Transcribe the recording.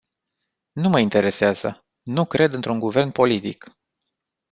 Nu mă interesează, nu cred într-un guvern politic.